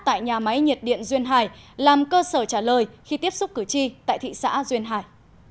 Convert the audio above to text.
tại nhà máy nhiệt điện duyên hải làm cơ sở trả lời khi tiếp xúc cử tri tại thị xã duyên hải